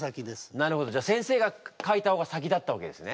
なるほどじゃあ先生が書いた方が先だったわけですね。